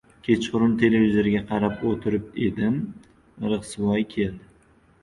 Kechqurun televizorga qarab o‘tirib edim, Rixsiyev keldi.